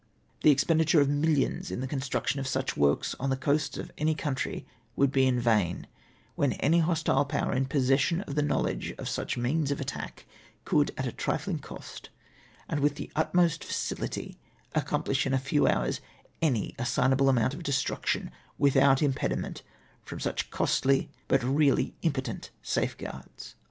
The expenditure of millions in the construction of such works on the coasts of any country would be in vain, when any hostile power in possession of the knowledge of such means of attack, could at a trifling cost and with the utmost facility accomplish in a few hours any assignable amount of destruction without impediment from such costly but really impotent safeguards.